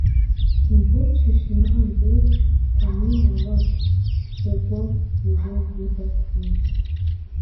Тембот щыщымыӀэм деж, Тамир нэгъуэщӀ джэгуэгъу ищӀын идэртэкъым.